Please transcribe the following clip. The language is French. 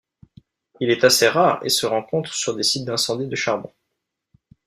Il est assez rare, et se rencontre sur des sites d'incendie de charbon.